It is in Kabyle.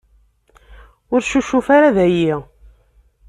Ur succuf ara dayi.